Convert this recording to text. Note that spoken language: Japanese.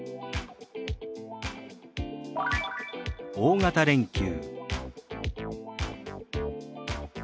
「大型連休」。